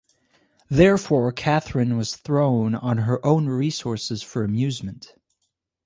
Therefore Catherine was thrown on her own resources for amusement.